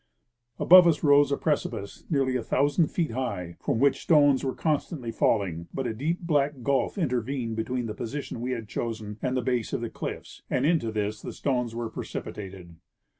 Above us rose a precipice nearly a thousand feet high, from Avhich stones Avere constantlj^ falling ; but a deejD black gulf intervened between the position avc had chosen and the base of the cliffs, and into this the stones were precipitated.